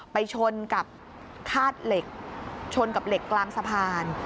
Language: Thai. ไปชนกับคาดเหล็กชนกับเหล็กกลางสะพาน